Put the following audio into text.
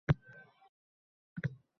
Dardlarimning devoridan oʼtolmayman